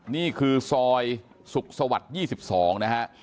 นี่คือซอยสุขสวรรค์๒๒นะฮะ